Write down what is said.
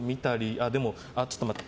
あ、でも、ちょっと待って。